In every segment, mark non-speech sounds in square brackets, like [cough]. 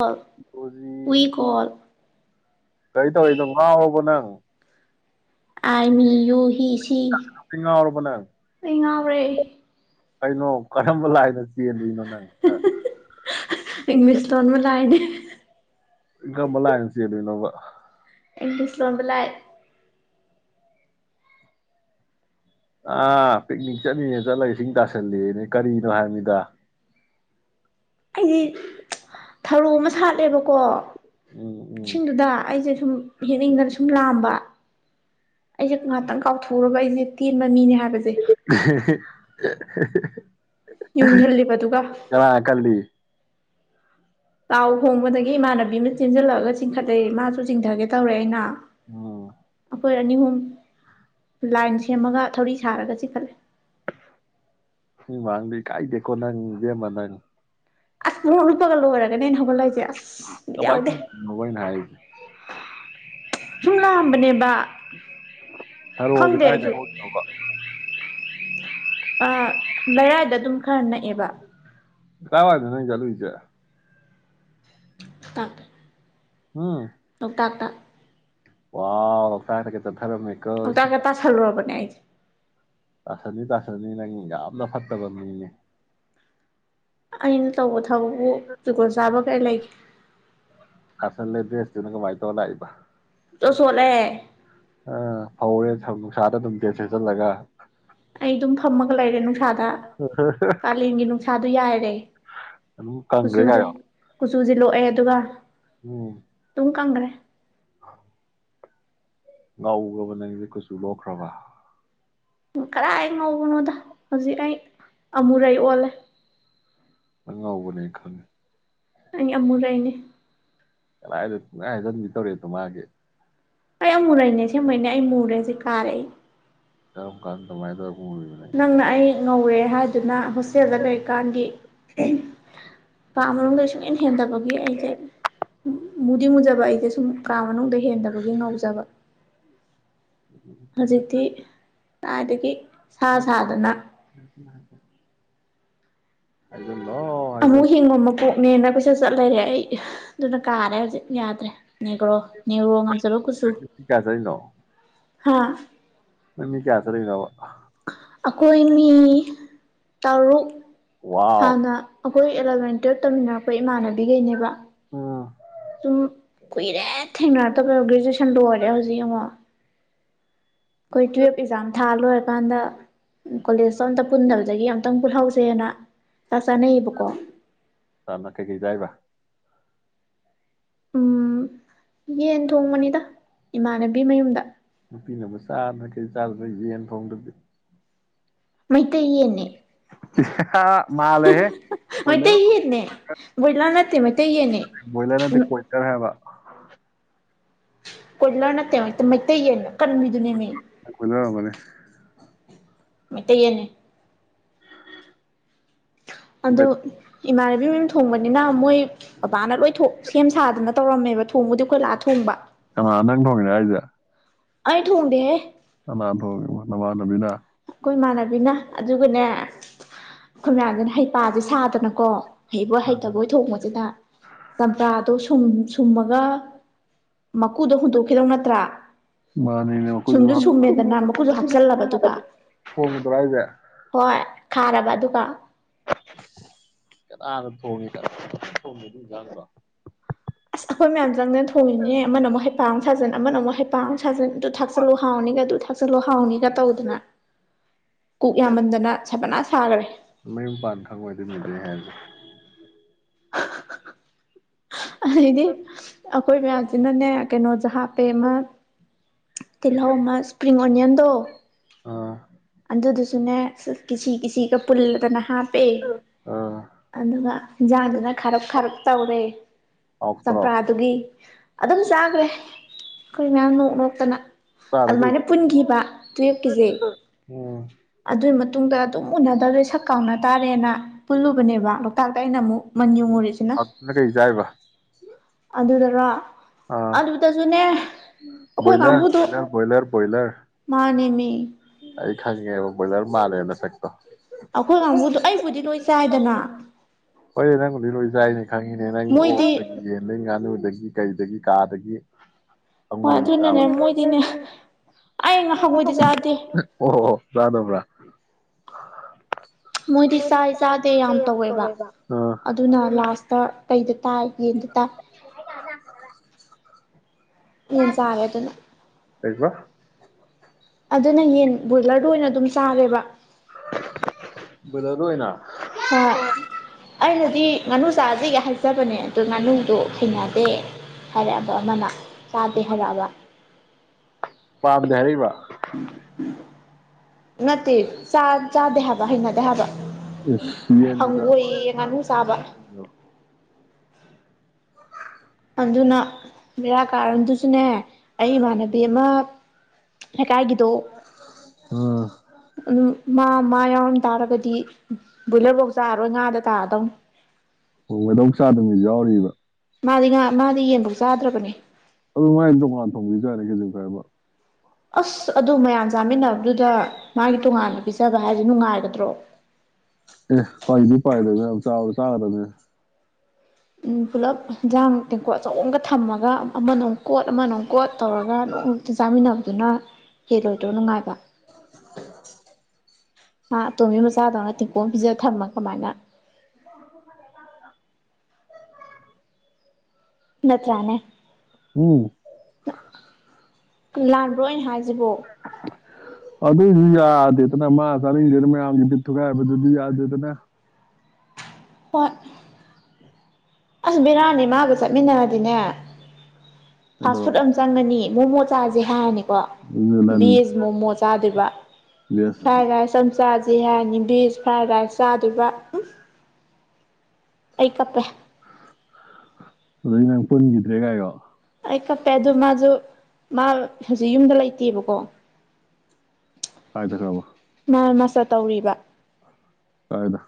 call ꯖꯤ ꯋꯤ call ꯀꯔꯤ ꯇꯧꯔꯤꯅꯣ ꯉꯥꯎꯕꯣ ꯅꯪ ꯑꯔꯃꯤ ꯌꯨ ꯍ ꯉꯥꯎꯔꯕ ꯑꯩ ꯉꯔꯦ ꯀꯩꯅꯩꯅꯣ ꯀꯔꯝꯕꯝꯕ ꯂꯑꯅ ꯅꯣ ꯏꯪꯂꯤꯁ ꯂꯣꯟꯣꯟꯕꯨ ꯂꯑꯅꯦ ꯏ ꯀꯝꯕꯂ ꯍꯥꯏꯁꯤꯅꯣꯕ ꯏꯪꯂꯤꯁ ꯂꯣꯟꯕ ꯂꯩꯥꯏ ꯑꯥ ꯄꯤꯛꯅꯤꯛ ꯆꯠꯅꯤꯡꯌꯦ ꯆꯠꯂꯒ ꯏꯁꯤꯡ ꯇꯥꯁꯜꯂꯤꯅꯦ ꯀꯔꯤꯅꯣ ꯍꯥꯏꯕꯃꯤꯗꯥ ꯑꯩꯗꯤ ꯊꯔꯣ ꯑꯃ ꯁꯥꯠꯂꯦꯕꯀꯣ ꯎꯝ ꯎꯝ ꯁꯤꯡꯗꯨꯗ ꯑꯩꯁꯦ ꯁꯨꯝ ꯌꯦꯦꯛꯅꯤꯡꯗꯅ ꯁꯨꯝ ꯂꯥꯝꯕ ꯑꯩꯁꯦ ꯉꯍꯥꯛꯇꯪ ꯀꯥꯎꯊꯣꯛꯎꯒ ꯑꯩꯁꯦ ꯇ [inaudible] ꯌꯨꯡꯁꯤꯜꯂꯤꯕꯗꯨꯒ ꯀꯅꯥ ꯀꯜꯂꯤ ꯂꯥꯎ ꯍꯣꯡꯕꯗꯒꯤ ꯏꯃꯥꯟꯅꯕꯤ ꯑꯃ ꯆꯦꯟꯁꯤꯜꯂꯑꯒ ꯆꯤꯡꯈꯠꯂꯛꯏ ꯃꯥꯁꯨ ꯆꯤꯡꯊꯒꯦ ꯇꯧꯔꯦ ꯑꯩꯅ ꯍ ꯑꯩꯈꯣꯏ ꯑꯅꯤ ꯑꯍꯨꯝ ꯂꯥꯏꯟ ꯁꯦꯝꯃꯒ ꯊꯧꯔꯤ ꯁꯥꯔꯒ ꯆꯤꯈꯠꯂꯦ ꯃꯤ ꯃꯃꯥꯡꯗ ꯏꯀꯥꯏꯗꯦꯀꯣ ꯏꯕꯦꯝꯃ ꯅꯪ ꯑꯁ [inaudible] ꯂꯣꯏꯔꯦ ꯍꯣꯔꯦꯟ ꯊꯕꯛ ꯂꯩꯇꯦ ꯑꯁ ꯕꯤꯠ ꯀꯃꯥꯏ ꯌꯥꯎꯗꯦ ꯇꯧꯔꯤꯅꯣꯕ ꯑꯩꯅ ꯍꯥꯏꯔꯤꯁꯦ ꯁꯨꯝ ꯂꯥꯛꯑꯝꯕꯅꯦꯕ ꯑꯔꯨ ꯍꯧꯖꯤ ꯈꯪꯗꯦ ꯀꯥꯏꯗ ꯑ ꯂꯩꯔꯥꯏꯗ ꯑꯗꯨꯝ ꯈꯔ ꯅꯛꯑꯦꯕ ꯇꯋꯥ ꯅ ꯆꯂꯨ ꯏꯁ ꯇ ꯑꯝ ꯑꯣꯛꯇꯛꯇ ꯋꯥ ꯐꯥꯏ ꯀꯦ ꯇ ꯑ ꯇꯒ ꯇ ꯍꯜꯂꯨꯔꯕꯅꯦ ꯑꯥꯏ ꯇꯥꯁꯅꯤ ꯇꯥꯁꯅꯤ ꯅꯪ ꯌꯥꯝꯅ ꯐꯠꯇꯕ ꯃꯤꯅꯤ ꯑꯩꯅ ꯇꯧꯕ ꯊꯕꯛꯄꯨ ꯗꯨꯀꯣꯜ ꯆꯥꯕ ꯀꯔꯤ ꯂꯩꯈꯤ ꯀꯁꯜ ꯂꯩꯗꯤꯁ ꯇꯅꯀ ꯃꯥꯥꯏ ꯇꯂ ꯍꯥꯏꯕ ꯇꯣ ꯁꯣꯂꯦ ꯑ ꯐꯧꯔꯦ ꯅꯨꯡꯁꯥꯗ ꯑꯗꯨꯝ ꯇꯦ ꯁꯦꯠꯆꯜꯂꯒ ꯑꯩ ꯑꯗꯨꯝ ꯐꯝꯃꯒ ꯂꯩꯔꯦ ꯅꯨꯡꯁꯥꯗ ꯀꯥꯂꯦꯟꯒꯤ ꯅꯨꯡꯁꯥꯗꯣ ꯌꯥꯏꯔꯦ ꯑꯗꯨꯝ ꯀꯪꯈ꯭ꯔꯦ ꯀꯨꯆꯨꯁꯦ ꯀꯥꯏꯌꯣ ꯀꯨꯆꯨꯁꯦ ꯂꯣꯛꯑꯦ ꯑꯗꯨꯒ ꯑꯗꯨꯝ ꯀꯪꯈ꯭ꯔꯦ ꯑ ꯉ ꯅꯪ ꯀꯁꯨ ꯂꯣꯈ꯭ꯔꯕꯥ ꯀꯗꯥꯥꯏ ꯉꯧꯕꯅꯣꯗ ꯍꯧꯖꯤꯛ ꯑꯩ ꯑꯃꯨꯔꯩ ꯑꯣꯜꯂꯦ ꯑꯉꯕꯅ ꯈꯪꯅꯤ ꯑꯩ ꯑꯃꯨꯔꯏꯅꯦ ꯂ ꯍꯥꯏꯗꯟꯕꯤ ꯇꯧꯔꯤꯦꯠꯇ ꯃꯥꯒꯦ ꯑꯩ ꯌꯥꯝ ꯃꯨ ꯂꯩꯅꯦ ꯁꯦꯝꯃꯅꯦ ꯑꯩ ꯃꯨꯔꯦꯁꯤꯦ ꯀꯥꯔꯛꯏ ꯀꯔꯝ ꯀꯥꯟꯗꯥꯏꯗ ꯅꯪꯅ ꯑꯩ ꯉꯧꯔꯦ ꯍꯥꯏꯗꯨꯅ ꯍꯛꯁꯦꯜꯗ ꯂꯩꯔꯤꯀꯥꯟꯒꯤ ꯑꯔ ꯆꯪꯦꯟ ꯍꯦꯟꯗꯕꯒꯤ ꯑꯩꯖꯠ ꯃꯗꯤ ꯃꯨꯖꯥꯕꯥꯏ ꯑ ꯁꯨꯝ ꯀꯥ ꯃꯅꯨꯡꯗ ꯍꯦꯟꯗꯕꯒꯤ ꯉꯧꯖꯕ ꯍꯧꯖꯤꯗꯤ ꯑꯗꯨꯗꯒꯤ ꯁꯥ ꯁꯥꯗꯅ [unintelligible] [unintelligible] ꯑꯃꯨꯛ ꯍꯥꯏꯖꯜꯂꯣ ꯍꯤꯡꯉꯣꯃꯀꯣ ꯅꯦꯅ ꯀꯣꯏꯆꯠ ꯆꯠ ꯂꯩꯔꯦ ꯑꯩ ꯑꯗꯨꯅ ꯀꯥꯔꯦ ꯍꯧꯖꯤꯛ ꯌꯥꯗ꯭ꯔꯦ ꯅꯦꯒ꯭ꯔꯣ ꯅꯦꯒ꯭ꯔꯣ ꯉꯝꯖꯕ ꯀꯨꯆꯨ ꯃꯤ ꯀꯌꯥ ꯍꯥꯥ ꯅꯣꯏ ꯃꯤ ꯀꯌꯥ ꯆꯠꯂꯤꯅꯣꯕ ꯑꯩꯈꯣꯏ ꯃꯤ ꯇꯔꯨꯛ ꯋꯥꯎ ꯍꯥꯟꯅ ꯑꯈꯣꯏ ꯑꯦꯂꯕꯦꯟ ꯇ꯭ꯋꯦꯞ ꯇꯝꯃꯤꯟꯅꯔꯛꯄ ꯏꯃꯥꯟꯅ ꯕꯤꯒꯩꯅꯦꯕ ꯎꯝ ꯁꯨꯝ ꯀꯨꯏꯔꯦ ꯊꯦꯡꯅꯔꯛꯇꯕꯗꯣ ꯒ꯭ꯔꯦꯖꯨꯑꯦꯁꯟ ꯂꯣꯏꯔꯦ ꯍꯧꯖꯤꯛ ꯌꯦꯡꯉꯣ ꯑꯩꯈꯣꯏ ꯇꯨꯋꯜꯐ ꯑꯦꯛꯖꯥꯝ ꯊꯥ ꯂꯣꯏꯔꯀꯥꯟꯗ ꯀꯣꯂꯦꯖꯇꯣ ꯑꯝꯇ ꯄꯨꯟꯗꯕꯗꯒꯤ ꯌꯥꯝ ꯇꯪ ꯄꯨꯜꯍꯧꯁꯦꯅ ꯆꯥꯛ ꯆꯥꯅꯩꯌꯦꯕꯀꯣ ꯆꯥꯅ ꯀꯩꯀꯩ ꯆꯥꯏꯕ ꯎꯝ ꯌꯦꯟ ꯊꯣꯡꯕꯅꯤꯗ ꯏꯃꯥꯟꯅꯕꯤ ꯃꯌꯨꯝꯗ ꯆꯥꯕꯗ ꯌꯦꯟ ꯊꯣꯡꯗ꯭ꯔꯗꯤ ꯃꯩꯇꯩ ꯌꯦꯟꯅꯦ ꯍꯤ ꯍꯥ ꯍꯥ ꯃꯥꯜꯂꯦꯍꯦ ꯀꯣꯏꯂꯔ ꯃꯩꯇꯩ ꯌꯦꯟꯅꯦ ꯑꯣꯏꯔꯝꯅꯤ ꯕꯣꯏꯂꯔ ꯅꯠꯇꯦ ꯃꯩꯇꯩ ꯌꯦꯟꯅꯦ ꯀꯣꯏꯂꯔ ꯕꯣꯏꯂꯔ ꯅꯠꯇꯦ ꯀꯣꯏꯂꯔ ꯍꯥꯏꯕ [unintelligible] ꯀꯣꯏꯂꯔ ꯅꯠꯇꯦ ꯃꯩꯇꯩ ꯌꯦꯟ ꯑꯀꯟꯕꯤꯗꯨꯅꯦꯃꯤ ꯀꯣꯏꯂꯔ ꯑꯣꯏꯔꯝꯒꯅꯤ ꯃꯩꯇꯩ ꯌꯦꯟꯅꯦ ꯑꯗꯣ ꯏꯃꯥꯟꯅꯕꯤ ꯃꯌꯨꯝ ꯊꯣꯡꯕꯅꯤꯅ ꯃꯣꯏ ꯕꯕꯥꯅ ꯂꯣꯏ ꯊꯣꯡ ꯁꯦꯝ ꯁꯥꯗꯅ ꯇꯧꯔꯝꯃꯦꯕ ꯊꯣꯡꯕꯨꯗꯤ ꯑꯩꯈꯣꯏ ꯂꯥꯛꯑ ꯊꯣꯡꯕ ꯀꯅꯥ ꯅꯪ ꯊꯣꯡꯉꯤꯔꯥꯍꯥꯏꯖꯦ ꯑꯩ ꯊꯣꯡꯗꯦꯍꯦ ꯑꯩꯈꯣꯏ ꯀꯅꯥꯟ ꯊꯣꯡꯉꯤꯅꯣ ꯅꯃꯥꯟ ꯕꯕꯤꯅꯥ ꯑꯩꯈꯣꯏ ꯏꯃꯥꯟꯅꯕꯤꯅ ꯑꯗꯨꯒꯅꯦ ꯑꯩꯈꯣꯏ ꯃꯌꯥꯝꯗꯨꯅ ꯍꯩꯄꯥꯥꯁꯦ ꯁꯥꯗꯅꯀꯣ ꯍꯩꯕꯣꯏ ꯍꯩꯇꯕꯣꯏ ꯊꯣꯡꯕꯁꯤꯗ ꯆꯝꯄ꯭ꯔꯥꯗꯣ ꯁꯨꯝ ꯁꯨꯝꯃꯒ ꯃ ꯃꯀꯨꯗꯣ ꯍꯨꯟꯗꯣꯛꯈꯤꯗꯧ ꯅꯠꯇ꯭ꯔꯥ ꯃꯥꯅꯤꯅꯦ ꯃꯈꯨꯠꯁꯨ ꯁꯨꯝꯁꯨ ꯁꯨꯝꯃꯦꯗꯅ ꯃꯀꯨꯁꯨ ꯍꯥꯞꯆꯜꯂꯕ ꯑꯗꯨꯒ ꯊꯣꯡꯕꯗꯔꯥ ꯍꯥꯏꯖꯦ ꯍꯣꯏ ꯈꯥꯔꯕ ꯑꯗꯨꯒ ꯉꯥꯥꯥꯥꯥꯥꯔꯣ ꯊꯣꯡꯉꯤꯖꯦ ꯊꯣꯡꯉꯤ ꯏꯟꯖꯥꯡꯗꯣ ꯑꯁ ꯑꯩꯈꯣꯏ ꯃꯌꯥꯝ ꯆꯪꯗꯅ ꯊꯣꯡꯉꯤꯅꯤꯅꯦ ꯑꯃꯅ ꯑꯃꯨꯛ ꯍꯩꯄꯥꯃꯨꯛ ꯁꯥꯖꯟ ꯑꯃꯅ ꯑꯃꯨꯛ ꯍꯩꯄꯥꯛ ꯑꯃꯨꯛ ꯁꯥꯖꯟ ꯑꯗꯨ ꯊꯥꯛꯆꯜꯂꯨ ꯍꯥꯎꯅꯤꯒ ꯑꯗꯨ ꯊꯥꯛꯆꯜꯂꯨ ꯍꯥꯎꯅꯤꯒ ꯇꯧꯗꯅ ꯀꯨꯛ ꯌꯥꯝꯃꯟꯗꯅ ꯁꯕꯅꯥ ꯁꯥꯒꯔꯦ ꯃꯌꯨꯝ ꯄꯥꯟ ꯈꯪꯉꯣꯏ ꯑꯗꯨ ꯃꯤꯗꯣꯑꯩꯍꯩꯅꯗꯦ [unintelligible] [unintelligible] ꯑꯗꯩꯗꯤ ꯑꯩꯈꯣꯏ ꯃꯌꯥꯝꯁꯤꯅꯅꯦ ꯀꯩꯅꯣꯁꯦ ꯍꯥꯞꯄꯦ ꯑꯃ ꯇꯜꯧ ꯑꯃ ꯏꯁꯄ꯭ꯔꯤꯡ ꯑꯣꯟꯌꯟꯗ ꯑꯥ ꯑꯗꯨꯗꯨꯁꯨꯅꯦ ꯀꯤꯁꯤ ꯀꯤꯁꯤ ꯄꯨꯜꯂꯗꯅ ꯍꯥꯞꯄꯦ ꯑꯥ ꯑꯗꯨꯒ ꯏꯟꯖꯥꯡꯗꯨꯅ ꯈꯔꯞ ꯈꯥꯔꯞ ꯇꯧꯔꯦ ꯍꯥꯎꯇ꯭ꯔꯣ ꯆꯝꯄ꯭ꯔꯥꯗꯨꯒꯤ ꯑꯗꯨꯝ ꯆꯥꯈ꯭ꯔꯦ ꯑꯩꯈꯣꯏ ꯃꯌꯥꯝ ꯅꯣꯛ ꯅꯣꯛꯇꯅ ꯆꯥꯗ ꯑꯗꯨꯃꯥꯏꯅ ꯀꯨꯏꯕꯒꯤ ꯄꯨꯟꯈꯤꯕ ꯇꯨꯌꯦꯞꯀꯤꯖꯦ ꯎꯝ ꯑꯗꯨꯒꯤ ꯃꯇꯨꯡꯗ ꯑꯗꯨꯝ ꯎꯅꯗꯕ꯭ꯔꯦ ꯁꯛꯀ ꯀꯥꯡꯅꯗꯦ ꯆꯥꯔꯦꯅ ꯄꯨꯜꯂꯨꯕꯅꯦꯕ ꯥꯡ ꯑꯩꯅ ꯑꯃꯨꯛ ꯃꯟ ꯌꯨꯡꯉꯨꯔꯤꯁꯤꯅ ꯍꯥꯎꯇꯅ ꯀꯩ ꯆꯥꯏꯕ ꯑꯗꯨꯗ ꯔ ꯑ ꯑꯩꯈꯣꯏ ꯣꯌꯂꯔ ꯀꯥꯡꯕꯨꯗꯣ ꯀꯣꯌꯔ ꯣꯌꯔ ꯀꯣꯏꯂꯔ ꯃꯥꯅꯦꯃꯤ ꯑꯩ ꯈꯪꯉꯦꯕ ꯕ꯭ꯔꯣꯏꯖꯔ ꯃꯥꯜꯂꯦ ꯅꯁꯛꯇꯣ ꯑꯩꯈꯣꯏ ꯀꯥꯡꯕꯨꯗꯣ ꯑꯩꯕꯨꯗꯤ ꯂꯣꯏ ꯆꯥꯏꯗꯅ ꯍꯣꯏ ꯅꯪꯕꯨꯗꯤ ꯂꯣꯏ ꯆꯥꯏꯅꯦ ꯈꯪꯉꯤꯅꯦ ꯅꯪ ꯑꯣ ꯃꯣꯏꯗꯤ ꯌꯦ ꯂꯣꯏ ꯉꯥꯅꯨ ꯀꯥꯏ ꯑꯗꯨꯗꯒꯤ ꯀꯥꯗꯒꯤ ꯍꯣꯏ ꯑꯗꯨꯅꯅꯦ ꯃꯣꯏꯗꯤꯅꯦ ꯑꯩ ꯉꯍꯪꯉꯣꯏꯗꯤ ꯆꯥꯗꯦ ꯑꯣ ꯔꯥꯗꯕ꯭ꯔꯥ ꯃꯣꯏꯗꯤ ꯆꯥꯏ ꯆꯥꯗꯦ ꯌꯥꯝ ꯇꯧꯋꯦꯕ ꯑꯥ ꯑꯗꯨꯅ ꯂꯥꯁꯇ ꯀꯩꯗ ꯇꯥꯏ ꯌꯦꯟꯗ ꯇꯥꯏ ꯌꯦꯟ ꯆꯥꯉꯦꯗꯨꯅ ꯀꯀ ꯑꯩꯅ ꯌꯦꯟ ꯕ꯭ꯔꯣꯏꯂꯔꯗ ꯑꯣꯏꯅ ꯑꯗꯨꯝ ꯆꯥꯔꯦꯕ ꯆ ꯑꯣꯏꯅ ꯍ ꯑꯅ ꯉꯥꯨ ꯆꯥꯖ ꯌꯥ ꯍꯥꯏꯐꯠ ꯕꯅꯦ ꯑꯗꯣ ꯉꯥꯅꯨꯗꯣ ꯈꯅꯗꯦ ꯍꯥꯏꯔꯛꯑꯕ ꯑꯃꯅ ꯆꯥꯗꯦ ꯍꯥꯏꯔꯛꯑꯕ ꯄꯥꯕꯗꯔ ꯋꯥ ꯅꯠꯇꯦ ꯆꯥꯗꯦ ꯍꯥꯏꯕ ꯍꯩꯅꯗꯦ ꯍꯥꯏꯕ ꯁꯤꯖꯥ ꯍꯪꯒꯣꯏꯌꯦ ꯉꯥꯅꯨ ꯆꯥꯕ ꯑꯗꯨꯅ ꯕꯔꯥ ꯀꯥꯔꯟꯗꯨꯁꯨꯅꯦ ꯑꯩ ꯏꯃꯥꯟꯅꯕꯤ ꯑꯃ ꯍꯗꯣ ꯑꯥ ꯃꯥ ꯃꯥ ꯌꯥꯎꯔꯝ ꯇꯥꯔꯒꯗꯤ ꯕꯣꯏꯂꯔꯐꯧ ꯆꯥꯔꯔꯣꯏ ꯉꯥꯗ ꯇꯥꯔꯗꯧꯅꯤ ꯎ ꯃꯩꯗꯧ ꯆꯥꯗꯕꯅ ꯌꯥꯎꯔꯤꯕ ꯃꯥꯗꯤ ꯉ ꯃꯥꯗꯤ ꯌꯦꯡꯕ ꯑꯗꯨ ꯃꯥꯥꯏ ꯇ ꯃꯥ ꯊ ꯌꯥꯔꯦꯒꯦꯖ ꯐꯥꯏꯕ ꯑꯁ ꯑꯗꯨ ꯃꯌꯥꯝ ꯆꯥꯃꯤꯟꯅꯕꯗꯨꯗ ꯃꯥꯒꯤ ꯇꯣꯉꯥꯟꯂ ꯄꯤꯖꯕ ꯍꯥꯏꯁꯦ ꯅꯨꯡꯉꯥꯏꯒꯗ꯭ꯔꯣ ꯑꯦ ꯄ ꯃꯤ ꯄꯥꯏꯗꯅ ꯆꯥ ꯇꯥꯗꯅꯦ ꯎꯝ ꯄꯨꯂꯞ ꯌꯦꯟꯁꯥꯡ ꯇꯦꯡꯀꯣꯠ ꯑꯆꯣꯡꯝꯒ ꯊꯝꯃꯒ ꯑꯃꯅꯣ ꯀꯣꯠ ꯑꯃꯅꯣ ꯒꯣꯠ ꯇꯧꯔꯒ ꯑꯗꯨ ꯑꯇ ꯆꯥꯃꯤꯟꯅꯕꯗꯨꯅ ꯍꯦꯜꯂꯣꯏꯗ꯭ꯔꯣ ꯅꯨꯡꯉꯥꯏꯕ [inaudible] ꯑꯥ ꯇꯨꯃꯤ ꯃꯁꯥꯗꯅ ꯇꯦꯛꯄꯣꯝ ꯄꯤꯖ ꯊꯝꯃ ꯀꯃꯥꯏꯅ ꯅꯠꯇ꯭ꯔꯥꯅꯦ ꯎꯝ ꯂꯥꯟꯕ꯭ꯔꯣꯅ ꯍꯥꯏꯁꯤꯕꯣ ꯌꯥꯗꯇꯅ ꯃꯥ ꯁꯔꯗꯔꯒꯤꯗꯤ ꯊꯨꯒꯕꯗꯨ ꯌꯥꯗꯅ ꯄꯠ ꯑꯁ ꯕꯤꯔꯥꯅꯤ ꯃꯥꯒ ꯆꯠꯃꯤꯟꯅꯔꯗꯤꯅꯦ ꯐꯥꯁ ꯐꯨꯗ ꯀꯩꯗꯧꯔꯕ ꯑꯃ ꯆꯪꯉꯅꯤ ꯃꯣꯃꯣ ꯆꯥꯁꯦ ꯍꯥꯏꯔꯅꯤꯀꯣ ꯑꯗꯨ ꯅꯪ ꯚꯦꯖ ꯃꯣꯃꯣ ꯆꯥꯗꯣꯏꯕ ꯕꯦꯁ ꯐ꯭ꯔꯥꯏ ꯔꯥꯏꯁ ꯑ ꯆꯥꯁ ꯍꯥꯏꯔꯅꯤ ꯚꯁ ꯐ꯭ꯔꯥꯏ ꯔꯥꯏꯁ ꯆꯥꯗꯕ ꯑꯩ ꯀꯞꯄꯦ ꯑꯗꯨꯗꯤ ꯅꯪ ꯄꯨꯟꯈꯤꯗ꯭ꯔꯦ ꯀꯥꯏꯔꯣ ꯑꯩ ꯀꯞꯄꯦ ꯑꯗꯨꯗ ꯃꯥꯁꯨ ꯃꯥ ꯍꯧꯖꯤꯛ ꯌꯨꯝꯗ ꯂꯩꯇꯦꯕꯀꯣ ꯀꯥꯏ ꯆꯠꯈ꯭ꯔꯕ ꯃꯥ ꯃꯆꯥ ꯇꯧꯔꯤꯕ ꯐꯗ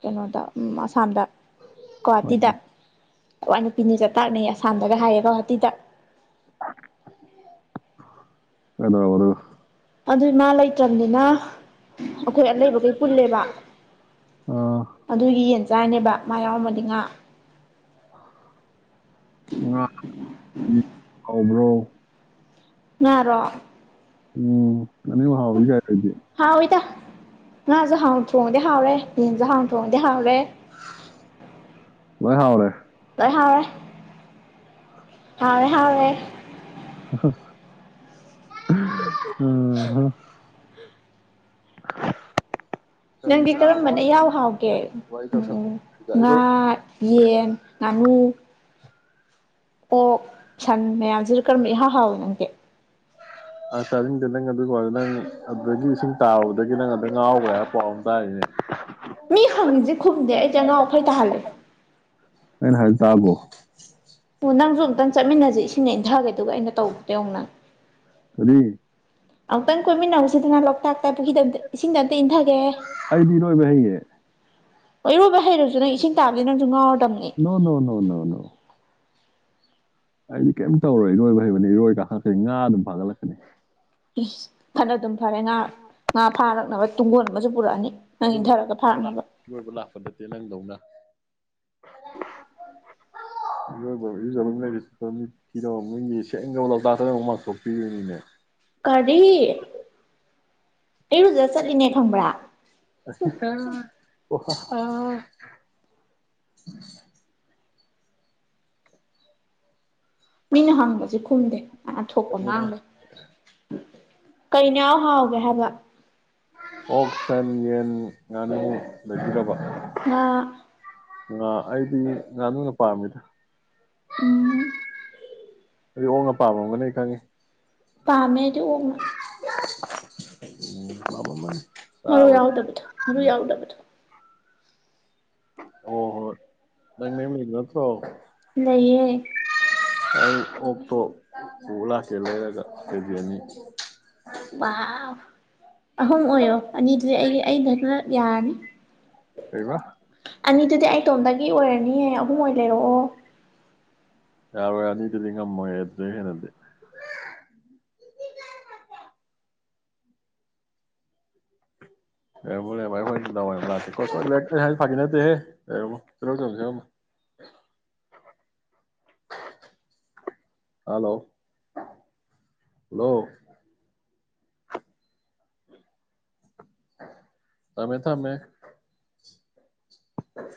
ꯀꯩꯅꯣꯗ ꯎꯝ ꯑꯁꯥꯝꯗ ꯀ꯭ꯋꯥꯇꯗ ꯑꯋꯥ ꯅꯨꯄꯤꯅꯤ ꯆꯥꯛꯇꯥꯛꯅꯩ ꯑꯁꯥꯝꯗꯒ ꯍꯥꯏꯌꯦ ꯒꯧꯍꯥꯇꯗ ꯑꯦꯗꯣ ꯑꯣꯏ ꯑꯗꯨꯏ ꯃꯥ ꯂꯩꯇ꯭ꯔꯅꯤꯅ ꯑꯩꯈꯣꯏ ꯑ ꯂꯩꯩꯕꯈꯩ ꯄꯨꯜꯂꯦꯕ ꯑꯥ ꯑꯗꯨꯒꯤ ꯌꯦꯟ ꯆꯥꯅꯦꯕ ꯃꯥ ꯌꯥꯎꯝꯕꯅꯤ ꯇꯉꯥ ꯑ ꯍꯥꯎꯕ꯭ꯔꯣ ꯌꯥꯔꯣ ꯎꯝ ꯅꯅꯤ ꯍꯥꯎꯒꯥꯏꯗꯤꯦ ꯅꯪ ꯑꯗꯨ ꯍꯥꯎ ꯊꯣꯡꯉꯥꯗꯤ ꯍꯥꯎꯔꯦ ꯌꯦꯟꯁꯦ ꯍꯥꯎ ꯇꯣꯦ ꯍꯥꯎꯦ ꯂ ꯍꯥꯎꯔꯦ ꯍ ꯍ ꯍꯥꯎꯦ ꯍ ꯑꯣ [inaudible] ꯅꯪꯗꯤ ꯆꯥꯕ ꯀꯔꯝꯕꯅ ꯃꯁꯥ ꯏꯍꯥꯎ ꯍꯥꯎꯒꯦ ꯋꯥꯔꯤ ꯎꯝ ꯇꯧꯁꯜꯂꯛꯏꯗ ꯉꯥ ꯑꯩꯈꯣꯏ ꯌꯦꯟ ꯉꯥ [inaudible] ꯑꯣ ꯁꯟ ꯃꯌꯥꯝꯁꯤꯁꯨ ꯀꯔꯝꯕ ꯏꯍꯥꯎ ꯍꯥꯎꯋꯤ ꯅꯪꯗꯤ ꯑ ꯆꯥꯅꯤꯡꯗꯦ ꯅꯪ ꯑꯗꯨꯒꯤꯔꯒ ꯅꯪ ꯑꯗꯨꯗꯒꯤ ꯏꯁꯤꯡ ꯇꯥꯔꯨꯕꯗꯒꯤ ꯅꯪ ꯑ ꯉꯥꯎꯕ꯭ꯔꯦ ꯍꯥꯏꯕ ꯄꯥꯎ ꯑꯃ ꯇꯥꯔꯤꯅꯦ ꯃꯤ ꯍꯪꯉꯤꯁꯤ ꯈꯨꯝꯗꯦ ꯑꯩꯁꯦ ꯑꯉꯥꯎ ꯑꯩꯈꯩ ꯇꯥꯍꯜꯂꯦ ꯍꯔꯇꯥꯕꯣ ꯑꯣ ꯅꯪꯁꯨ ꯑꯃꯨꯛꯇꯪ ꯆꯠꯃꯤꯟꯅꯖꯦ ꯏꯁꯤꯡ ꯏꯟꯊꯥꯒꯦꯗꯨꯒ ꯑꯩꯅ ꯇꯧꯗꯨ ꯅꯪ ꯀꯔꯤ ꯑꯃꯨꯛꯇꯪ ꯀꯣꯏꯃꯤꯟꯅꯧꯁꯤꯗꯅ ꯂꯣꯛꯇꯥꯛꯇ ꯄꯨꯈꯤꯗ ꯑꯩꯗꯤ ꯏꯔꯣꯏꯕ ꯍꯩꯌꯦ ꯍ ꯏꯔꯣꯏꯕ ꯍꯩꯔꯁꯨ ꯅ ꯏꯁꯤꯡ ꯇꯥꯕꯦ ꯅꯪꯁꯨ ꯉꯥꯎꯔꯦ ꯅꯣ ꯅꯣ ꯅ ꯅꯣꯅ ꯑꯩꯗꯤ ꯀꯩꯝꯇ ꯇꯧꯔꯣꯏ ꯏꯔꯣꯏꯕ ꯍꯩꯕꯅꯤ ꯏꯔꯣꯏ ꯀꯥꯈꯠꯛꯀꯅꯤ ꯉꯥ ꯑꯗꯨꯝ ꯐꯥꯒꯠꯂꯛꯀꯅꯤ ꯊꯅꯣ ꯑꯗꯨꯝ ꯐꯔꯦ ꯉꯥ ꯉꯥ ꯐꯥꯔꯛꯅꯕ ꯇꯨꯡꯒꯣꯟꯜ ꯑꯃꯁꯨ ꯄꯨꯔꯛꯑꯅꯤ ꯅꯪ ꯑꯗꯨꯕꯨ ꯏꯟꯊꯔꯒ ꯐꯥꯔꯛꯅꯕ ꯖ ꯃꯤꯤꯔ ꯃ ꯇ ꯃꯊ ꯄꯤꯅꯤ ꯀꯔꯤ ꯑꯩꯔꯨꯖ ꯆꯠꯂꯤꯅꯦ ꯈꯪꯕ꯭ꯔꯥ ꯑꯣꯍ ꯃꯤꯅꯦ ꯍꯪꯒꯁꯤꯦ ꯍꯗꯦ ꯑ ꯊꯄꯣꯟꯅꯪꯗ ꯀꯩꯩꯅꯎ ꯍꯥꯎꯒꯦ ꯍꯥꯏꯕ ꯑꯣꯛ ꯁꯟ ꯌꯦꯟ ꯉꯥꯅꯨ ꯂꯩꯕꯤꯔꯕ ꯑ ꯉ ꯑꯩꯗꯤ ꯉꯥꯅꯨꯡꯅ ꯄꯥꯝꯃꯤꯗ ꯎꯝ ꯑꯗꯨ ꯑꯣꯡ ꯑꯄꯥꯝꯕꯝꯒꯅꯤ ꯑꯩ ꯈꯪꯉꯤ ꯄꯃꯦꯗꯤ ꯑꯣꯉ ꯎ ꯄꯅꯤ ꯃꯔꯨ ꯌꯥꯎꯗꯕꯗꯣ ꯃꯔꯨ ꯌꯥꯎꯗꯕꯗꯨꯣ ꯑꯣ ꯍꯣꯏ ꯅꯪ ꯅ ꯂꯩꯗ ꯅꯠꯇ꯭ꯔꯣ ꯁꯌꯦ ꯑꯩ ꯑꯣꯛꯇꯣ ꯑꯣꯂꯥꯥꯁꯦ ꯂꯩꯔꯒ ꯂꯩꯩꯖꯅꯤ ꯑꯍꯨꯝ ꯑꯣꯏꯌꯣ ꯑꯅꯤꯗꯨꯗꯤ ꯑꯩ ꯑꯗ ꯈꯔ ꯌꯥꯔꯅꯤ ꯀꯩꯕ ꯑꯅꯤꯗꯨꯗꯤ ꯑꯩ ꯏꯇꯣꯝꯗꯒꯤ ꯑꯣꯏꯔꯅꯤꯌꯦ ꯑꯍꯨꯝ ꯑꯣꯏ ꯂꯩꯔꯛꯑꯣ ꯌꯥꯔ ꯑꯣꯏꯅꯤꯗꯨ ꯂꯤ ꯉꯃ ꯑꯗꯨꯗꯣ ꯍꯦꯅꯗꯦ ꯐꯥ ꯅꯠꯇꯦꯦ ꯆ ꯆ ꯍꯜꯂꯣ ꯍꯂꯣ ꯑꯃꯦ ꯊꯃꯦ ꯑ